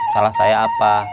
salah saya apa